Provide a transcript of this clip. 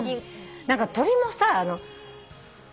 何か鳥もさ。